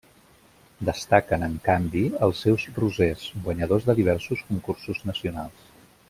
Destaquen, en canvi, els seus rosers, guanyadors de diversos concursos nacionals.